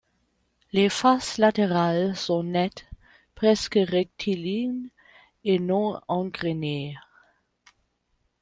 Les faces latérales sont nettes, presque rectilignes et non engrenées.